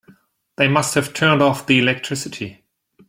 They must have turned off the electricity.